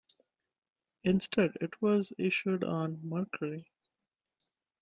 Instead, it was issued on Mercury.